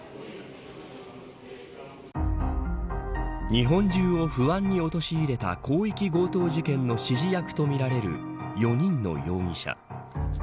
日本中を不安に陥れた広域強盗事件の指示役とみられる４人の容疑者。